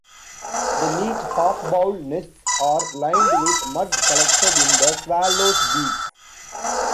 The neat half-bowl nests are lined with mud collected in the swallows' beaks.